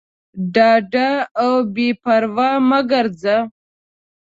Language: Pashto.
ډاډه او بېپروا مه ګرځه.